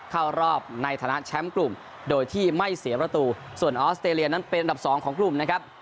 เข้ารอบในฐานะแชมป์กลุ่มโดยที่ไม่เสียประตูส่วนออสเตรเลียนั้นเป็นอันดับสองของกลุ่มนะครับ